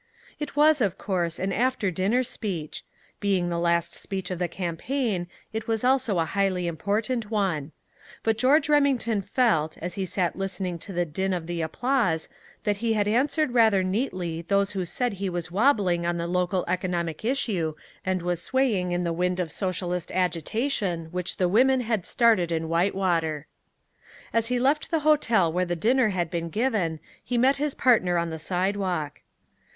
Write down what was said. It was, of course, an after dinner speech. Being the last speech of the campaign it was also a highly important one. But George Remington felt, as he sat listening to the din of the applause, that he had answered rather neatly those who said he was wabbling on the local economic issue and was swaying in the wind of socialist agitation which the women had started in Whitewater. As he left the hotel where the dinner had been given, he met his partner on the sidewalk.